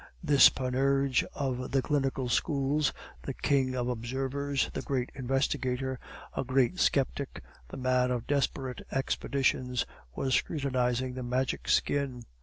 This Panurge of the Clinical Schools, the king of observers, the great investigator, a great sceptic, the man of desperate expedients, was scrutinizing the Magic Skin.